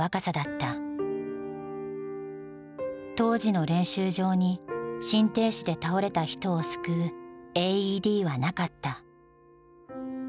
当時の練習場に心停止で倒れた人を救うＡＥＤはなかった。